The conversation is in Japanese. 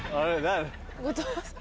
後藤さん？